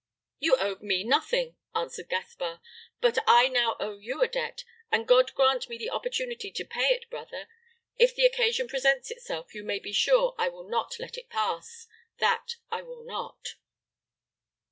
"You owed me nothing," answered Gaspar; "but I now owe you a debt; and God grant me the opportunity to pay it, brother; if the occasion presents itself, you may be sure I will not let it pass; that I will not."